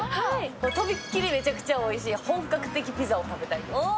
とびっきりめちゃくちゃおいしい、本格的なピザを食べたいです。